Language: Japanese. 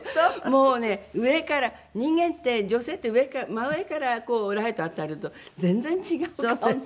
もうね上から人間って女性って真上からライト当たると全然違う顔になる。